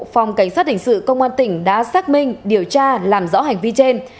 phòng cảnh sát hình sự công an tỉnh đã xác minh điều tra làm rõ hành vi trên